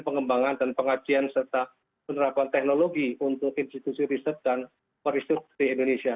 pengembangan dan pengajian serta penerapan teknologi untuk institusi riset dan peristitut di indonesia